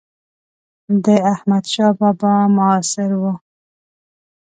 د احمدشاه بابا معاصر و.